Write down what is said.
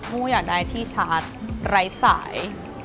ผู้อยากได้พี่ชาร์จไร้สาย